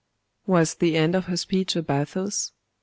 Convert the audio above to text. Was the end of her speech a bathos?